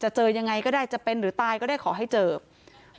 เจอยังไงก็ได้จะเป็นหรือตายก็ได้ขอให้เจอ